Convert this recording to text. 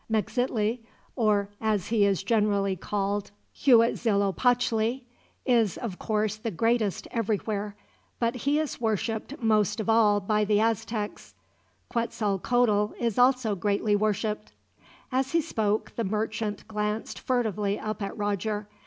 Mexitli or as he is generally called, Huitzilopotchli is of course the greatest everywhere; but he is worshiped most of all by the Aztecs. Quetzalcoatl is also greatly worshiped." As he spoke, the merchant glanced furtively up at Roger.